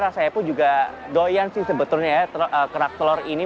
rasanya pun juga doyan sih sebetulnya ya kerak telur ini